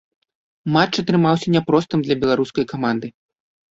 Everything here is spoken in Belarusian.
Матч атрымаўся няпростым для беларускай каманды.